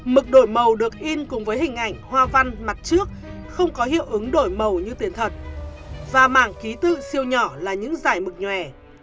mực đổi màu được in cùng với hình ảnh hoa văn mặt trước không có hiệu ứng đổi màu như tiền thật và mảng ký tự siêu nhỏ là những giải mực nhòe